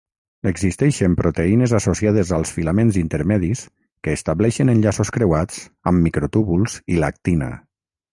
Existeixen proteïnes associades als filaments intermedis que estableixen enllaços creuats amb microtúbuls i l'actina.